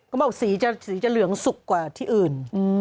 เขาบอกสีจะเหลืองสุกกว่าที่อื่น